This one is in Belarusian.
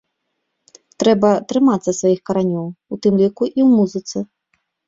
Трэба трымацца сваіх каранёў, у тым ліку і ў музыцы!